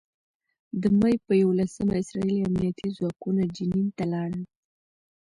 د مې په یوولسمه اسراييلي امنيتي ځواکونه جنین ته لاړل.